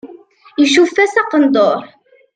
Icuff-as aqenduṛ.